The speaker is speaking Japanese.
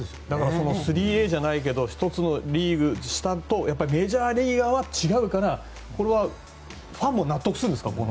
だから、３Ａじゃないけど１つのリーグ、下とメジャーリーガーは違うからこれはファンも納得するんですか？